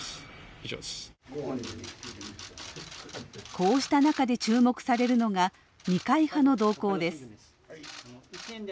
こうした中で注目されるのが二階派の動向です。